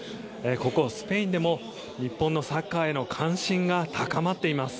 ここ、スペインでも日本のサッカーへの関心が高まっています。